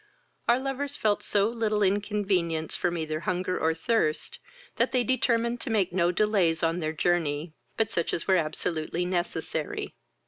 Our lovers felt so little inconvenience from either hunger or thirst, that they determined to make no delays on their journey, but such as were absolutely necessary.